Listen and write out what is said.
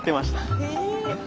へえ。